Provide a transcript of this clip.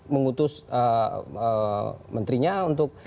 mengutus menterinya untuk